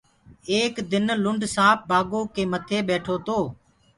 ايڪ دن لُنڊ سآنپ بآگو ڪي متي ٻيٺو تو۔